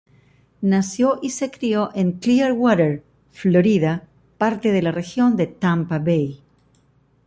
Nació y se crio en Clearwater, Florida, parte de la región Tampa Bay.